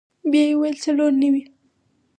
بيا يې وويل څلور نوي.